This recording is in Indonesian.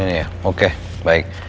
iya oke baik